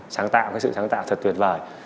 sáng tạo cái sự sáng tạo thật tuyệt vời